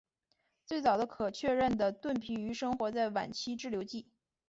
最早的可确认的盾皮鱼生活在晚期志留纪。